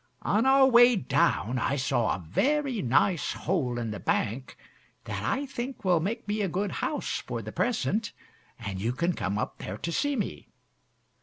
On our way down I saw a very nice hole in the bank that I think will make me a good house for the present, and you can come up there to see me.